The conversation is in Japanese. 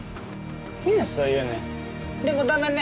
みんなそう言うね。